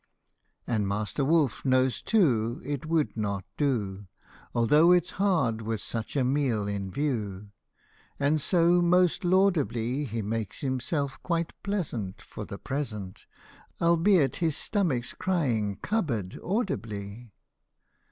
And Master Wolf knows too it would not do, Although it 's hard with such a meal in view ; And so most laudably He makes himself quite pleasant, For the present. Albeit his stomach's crying "cupboard" audibly.